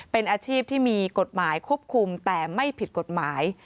เป็นอาชีพที่มีกฎหมายควบคุมแต่ไม่ผิดกฎหมาย